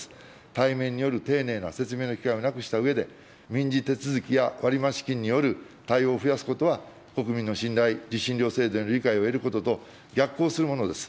対面による丁寧な説明の機会をなくしたうえで、民事手続きや割増金による対応を増やすことは、国民の信頼、受信料制度への理解を得ることと逆行するものです。